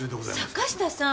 坂下さん。